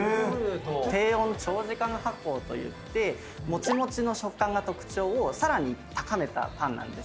低温長時間発酵といってモチモチの食感が特徴をさらに高めたパンなんです。